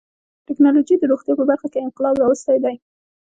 ټکنالوجي د روغتیا په برخه کې انقلاب راوستی دی.